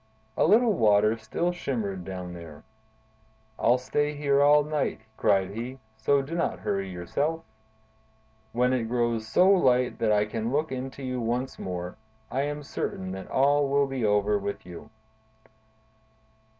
A little water still shimmered down there. "I'll stay here all night," cried he, "so do not hurry yourself! When it grows so light that I can look into you once more, I am certain that all will be over with you."